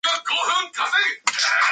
His campaign was characterized as positive.